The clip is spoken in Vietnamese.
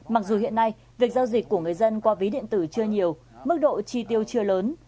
mặc dù hiện nay việc giao dịch của người dân qua ví điện tử chưa nhiều mức độ chi tiêu chưa lớn